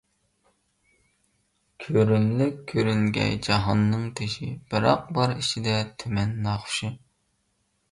كۆرۈملۈك كۆرۈنگەي جاھاننىڭ تېشى، بىراق بار ئىچىدە تۈمەن ناخۇشى.